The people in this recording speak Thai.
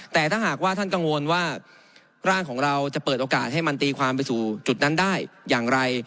แต่ถ้าหากว่าท่านกังวลว่าร่างของเราจะเปิดโอกาสให้มันตีความไปสู่จุดนั้นได้อย่างไร